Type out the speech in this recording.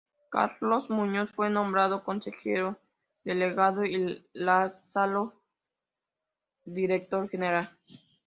Carlos Muñoz fue nombrado consejero delegado y Lázaro Ros director general.